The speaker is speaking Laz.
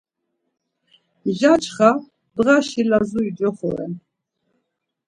Mjaçxa ndğaşi Lazuri coxo ren.